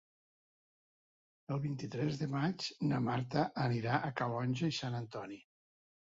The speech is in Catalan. El vint-i-tres de maig na Marta anirà a Calonge i Sant Antoni.